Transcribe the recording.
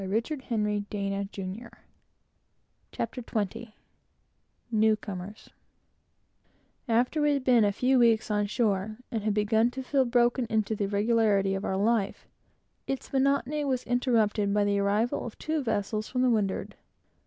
CHAPTER XX LEISURE NEWS FROM HOME "BURNING THE WATER" After we had been a few weeks on shore, and had begun to feel broken into the regularity of our life, its monotony was interrupted by the arrival of two vessels from the windward.